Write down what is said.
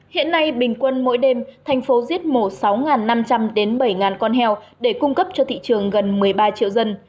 hiện nay bình quân mỗi đêm thành phố giết mổ sáu năm trăm linh đến bảy con heo để cung cấp cho thị trường gần một mươi ba triệu dân